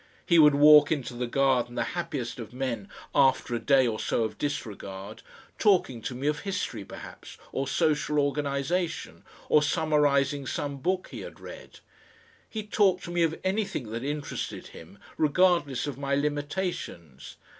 He would walk into the garden the happiest of men after a day or so of disregard, talking to me of history perhaps or social organisation, or summarising some book he had read. He talked to me of anything that interested him, regardless of my limitations.